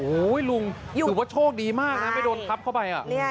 โอ้โหลุงถือว่าโชคดีมากนะไม่โดนทับเข้าไป